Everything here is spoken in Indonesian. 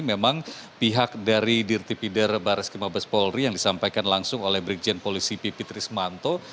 memang pihak dari dirtipidum baris krim mabes polri yang disampaikan langsung oleh brigjen polisi pipit rismanto